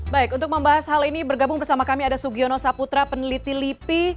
baik untuk membahas hal ini bergabung bersama kami ada sugiono saputra peneliti lipi